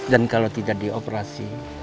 dan kalau tidak dioperasi